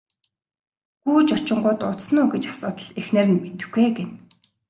Гүйж очингуут удсан уу гэж асуутал эхнэр нь мэдэхгүй ээ гэнэ.